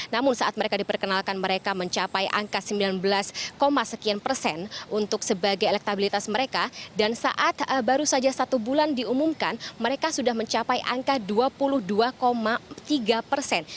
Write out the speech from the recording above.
namun saat mereka diperkenalkan mereka mencapai angka sembilan belas sekian persen untuk sebagai elektabilitas mereka dan saat baru saja satu bulan diumumkan mereka sudah mencapai angka dua puluh dua tiga persen